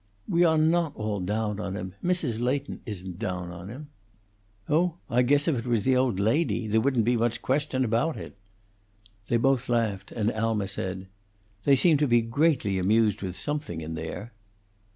"We awe not all doan on him. Mrs. Leighton isn't doan on him." "Oh, I guess if it was the old lady, there wouldn't be much question about it." They both laughed, and Alma said, "They seem to be greatly amused with something in there."